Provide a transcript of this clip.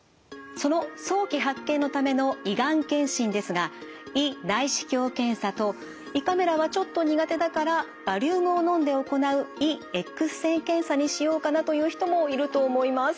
その早期発見のための胃がん検診ですが胃内視鏡検査と胃カメラはちょっと苦手だからバリウムを飲んで行う胃エックス線検査にしようかなという人もいると思います。